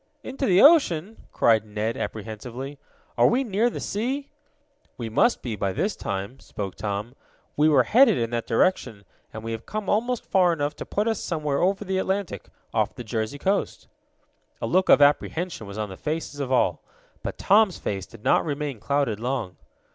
"Into the ocean!" cried Ned apprehensively. "Are we near the sea?" "We must be, by this time," spoke Tom. "We were headed in that direction, and we have come almost far enough to put us somewhere over the Atlantic, off the Jersey coast." A look of apprehension was on the faces of all. But Tom's face did not remain clouded long.